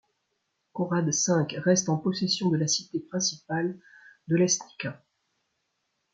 Conrad V reste en possession de la cité principale d'Oleśnica.